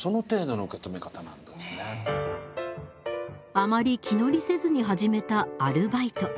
あまり気乗りせずに始めたアルバイト。